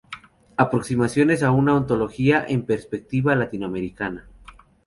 Aproximaciones a una ontología en perspectiva latinoamericana".